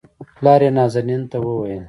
پلار يې نازنين ته وويل